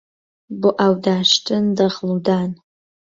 بۆ ئاو داشتن دەغڵ و دان